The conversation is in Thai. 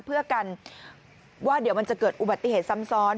เพื่อกันว่าเดี๋ยวมันจะเกิดอุบัติเหตุซ้ำซ้อน